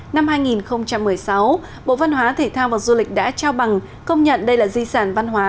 năm hai nghìn một mươi sáu bộ văn hóa thể thao và du lịch đã trao bằng công nhận đây là di sản văn hóa